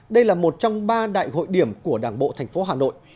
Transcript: đây là một trong ba đại hội điểm của đảng bộ thành phố hà nội